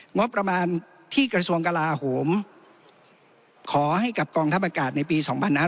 งบประมาณที่กระทรวงกลาโหมขอให้กับกองทัพอากาศในปี๒๕๕๙